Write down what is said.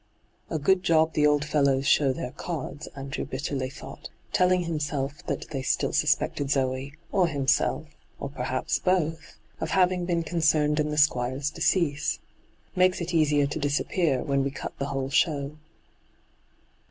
' A good job the old fellows show their cards,' Andrew bitterly thought, telling himself that they still suspected Zoe, or himself, or perhaps both, of having been concerned in the Squire's decease. 'Makes it easier to disappear, when we cut the whole show